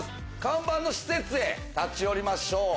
看板の施設へ立ち寄りましょう。